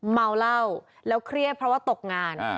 เมาเหล้าแล้วเครียดเพราะว่าตกงาน